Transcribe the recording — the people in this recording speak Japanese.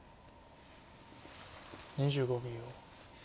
２５秒。